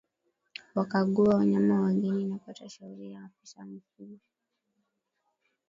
Wakague wanyama wageni na pata ushauri wa afisa mifugo